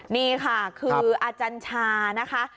นี่ค่ะคืออาจารย์ชานะคะ